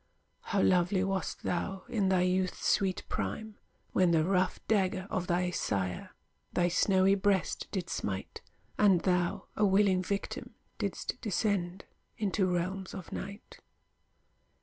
How lovely wast thou, in thy youth's sweet prime, When the rough dagger of thy sire Thy snowy breast did smite, And thou, a willing victim, didst descend Into realms of night!